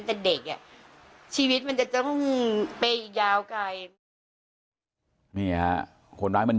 แต่เด็กอ่ะชีวิตมันจะต้องไปยาวไกลนี่ฮะคนร้ายมัน